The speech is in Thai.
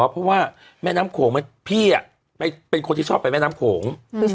แต่บางคนเค้าบอกมันจะไหว้ง่ายขึ้น